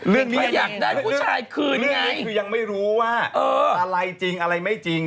เรื่องนี้ยังไม่รู้ว่าอะไรจริงอะไรไม่จริง